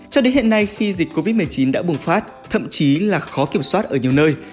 cho đến hiện nay khi dịch covid một mươi chín đã bùng phát thậm chí là khó kiểm soát ở nhiều nơi